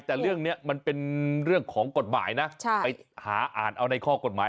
แต่เรื่องนี้มันเป็นเรื่องของกฎหมายนะไปหาอ่านเอาในข้อกฎหมาย